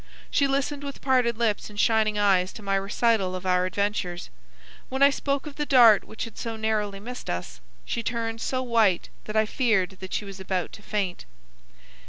She listened with parted lips and shining eyes to my recital of our adventures. When I spoke of the dart which had so narrowly missed us, she turned so white that I feared that she was about to faint.